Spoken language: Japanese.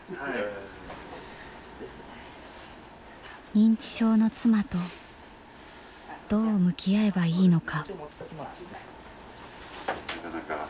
認知症の妻とどう向き合えばいいのか。